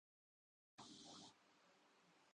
مگر یہ لوگوں کے روزمرہ معمول کا حصہ ہے